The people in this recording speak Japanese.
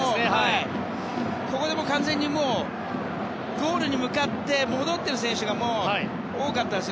ここで完全にゴールに向かって戻っている選手が多かったんです。